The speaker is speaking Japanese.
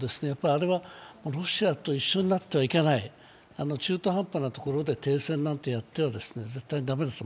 あれは、ロシアと一緒になってはいけない、中途半端なところで停戦なんてやっては絶対駄目だと。